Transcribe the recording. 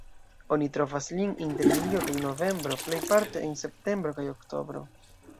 Oni trovas lin inter julio kaj novembro, plejparte en septembro kaj oktobro.